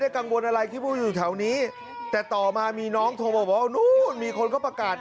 กังวลอะไรที่พูดอยู่แถวนี้แต่ต่อมามีน้องโทรมาบอกว่านู้นมีคนเขาประกาศ